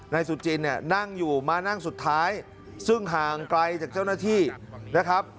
นายสุจินเนี่ยนั่งอยู่มานั่งสุดท้ายซึ่งห่างไกลจากเจ้าหน้าที่นะครับ